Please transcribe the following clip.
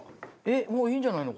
もういいんじゃないの？